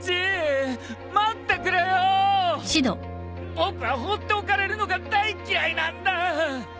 僕は放っておかれるのが大っ嫌いなんだ。